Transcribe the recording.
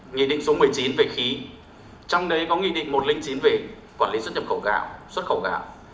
nghị định số một mươi chín về khí trong đấy có nghị định một trăm linh chín về quản lý xuất nhập khẩu gạo xuất khẩu gạo